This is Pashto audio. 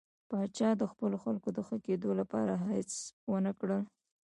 پاچا د خپلو خلکو د ښه کېدو لپاره هېڅ ونه کړل.